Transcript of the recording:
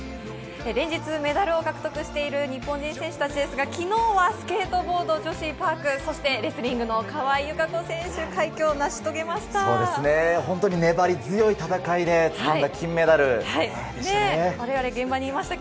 連日メダルを獲得している日本人選手たちですが、昨日はスケートボード女子パーク、そしてレスリングの川井友香子選粘り強い戦いでつかんだ金メダルでしたね。